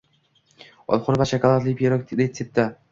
Olxo‘ri va shokoladli pirog retsepti